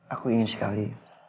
aku ingin sekali